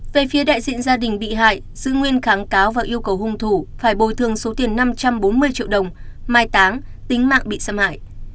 về phía đại diện gia đình bị hại giữ nguyên kháng cáo và yêu cầu hung thủ phải bồi thường số tiền năm trăm bốn mươi triệu đồng mai táng tính mạng bị xâm hại